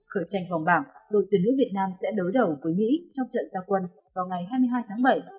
khởi tranh vòng bảng đội tuyển nữ việt nam sẽ đối đầu với mỹ trong trận gia quân vào ngày hai mươi hai tháng bảy